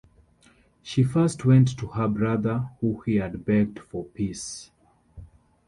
She first went to her brother, whom she had begged for peace.